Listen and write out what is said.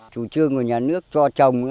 chủ trương của nhà nước cho trồng